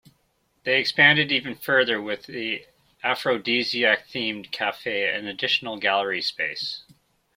They expanded even further with an aphrodisiac-themed cafe and additional gallery space.